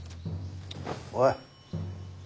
おい。